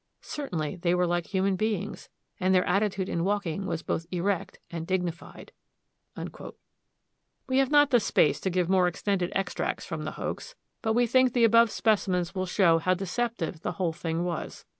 Certainly they were like human beings, and their attitude in walking was both erect and dignified." We have not space to give more extended extracts from the hoax, but we think the above specimens will show how deceptive the whole thing was.